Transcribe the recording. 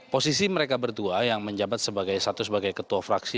posisi mereka berdua yang menjabat sebagai satu sebagai ketua fraksi